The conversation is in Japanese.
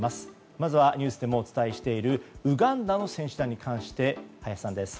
まずは、ニュースでもお伝えしているウガンダの選手団に関して林さんです。